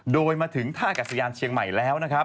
โดยมาถึงท่ากัสสยานเชียงใหม่แล้ว